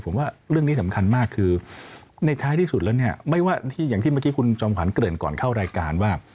ผมว่าเรื่องนี้สำคัญมากคือในท้ายที่สุดแล้วเนี่ยอย่างที่เมื่อกี้คุณจอมขวัญเกริ่นก่อนเข้ารายการว่า